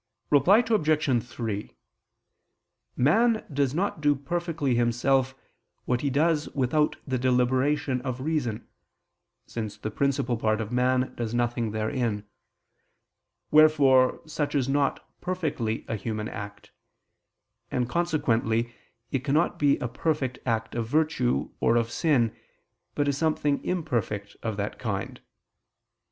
Reply Obj. 3: Man does not do perfectly himself what he does without the deliberation of reason, since the principal part of man does nothing therein: wherefore such is not perfectly a human act; and consequently it cannot be a perfect act of virtue or of sin, but is something imperfect of that kind.